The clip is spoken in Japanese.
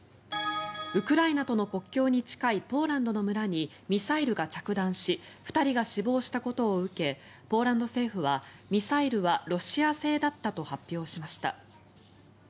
ウクライナとの国境に近いポーランドの村にミサイルが着弾し２人が死亡したことを受けポーランド政府はミサイルはロシア製だったと発表しました。